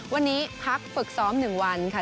วันนี้พักฝึกซ้อม๑วันค่ะ